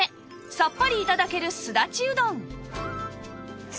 さっぱり頂けるすだちうどん